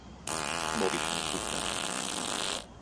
Bobby sem tudta.